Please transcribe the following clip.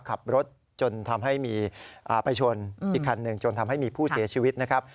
ขับรถจนทำให้มีไปชนอีกคันหนึ่งจนทำให้มีผู้เสียชีวิตนะครับ